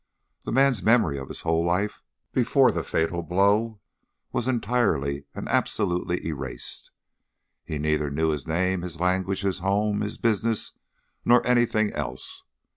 The man's memory of his whole life before the fatal blow was entirely and absolutely erased. He neither knew his name, his language, his home, his business, nor anything else.